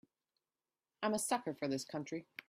I'm a sucker for this country.